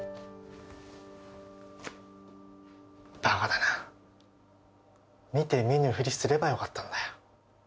バカだな見て見ぬふりすればよかったんだよ